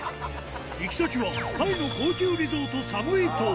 行き先はタイの高級リゾート、サムイ島。